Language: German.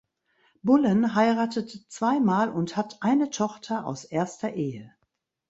Bullen heiratete zwei Mal und hat eine Tochter aus erster Ehe.